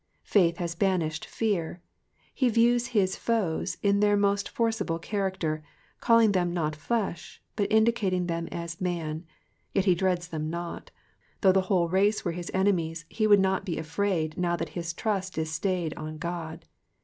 '''' Faith has banished fear. He views his foes in their most forcible character, calling them not Jiesh^ but indicating them as man^ yet he dreads them not ; though the whole race were his enemies he would not be afraid now that his trust is stayed on God.